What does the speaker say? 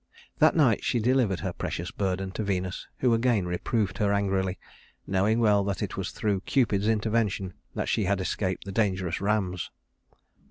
That night she delivered her precious burden to Venus, who again reproved her angrily, knowing well that it was through Cupid's intervention that she had escaped the dangerous rams.